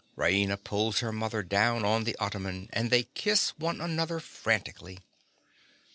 (_Raina pulls her mother down on the ottoman; and they kiss one another frantically.